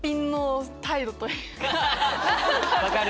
分かる！